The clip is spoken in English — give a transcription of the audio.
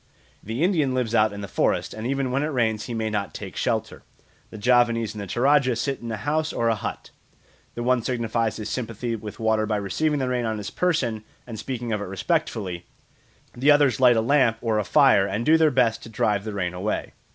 The Indian lives out in the forest, and even when it rains he may not take shelter; the Javanese and the Toradja sit in a house or a hut. The one signifies his sympathy with water by receiving the rain on his person and speaking of it respectfully; the others light a lamp or a fire and do their best to drive the rain away.